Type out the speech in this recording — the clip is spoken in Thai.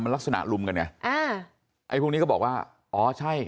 ลักษณะลุมกันไงอ่าไอ้พวกนี้ก็บอกว่าอ๋อใช่